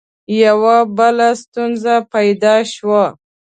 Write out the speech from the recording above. یوه بله ستونزه پیدا شوه.